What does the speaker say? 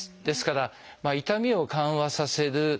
ですから痛みを緩和させる。